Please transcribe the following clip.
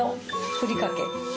ふりかけ？